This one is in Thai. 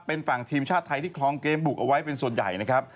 เป็นฝั่งทีมชาติไทยที่คลองเกมบุกเอาไว้เป็นส่วนใหญ่นะครับ